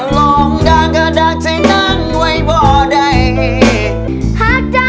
ขอบคุณนะ